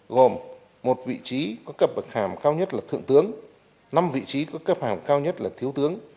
gồm một vị trí có cấp bậc hàm cao nhất là thượng tướng năm vị trí có cấp hàng cao nhất là thiếu tướng